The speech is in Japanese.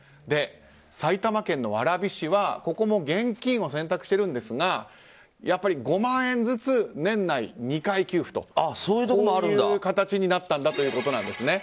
埼玉県の蕨市は、ここも現金を選択しているんですがやっぱり、５万円ずつ年内２回給付という形になったということなんです。